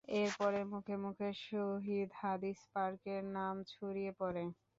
এরপর মুখে মুখে শহীদ হাদিস পার্কের নাম ছড়িয়ে পড়ে।